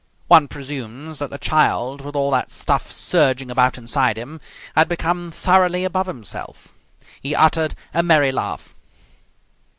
One presumes that the child, with all that stuff surging about inside him, had become thoroughly above himself. He uttered a merry laugh.